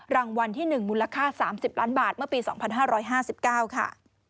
รางวัลที่๑มูลค่า๓๐ล้านบาทเมื่อปี๒๕๕๙ค่ะ